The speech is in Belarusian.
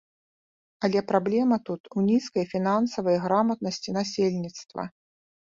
Але праблема тут у нізкай фінансавай граматнасці насельніцтва.